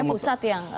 akhirnya pusat yang